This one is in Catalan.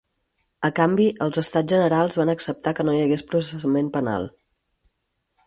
A canvi, els Estats Generals van acceptar que no hi hagués processament penal.